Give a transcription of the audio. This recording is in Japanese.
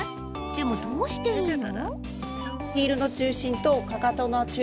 でも、どうしていいの？